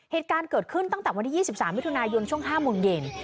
เหตุการณ์เกิดขึ้นตั้งแต่วันที่๒๓มิถุนายนช่วง๕โมงเย็น